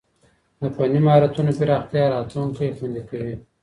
د فني مهارتونو پراختيا راتلونکی خوندي کوي.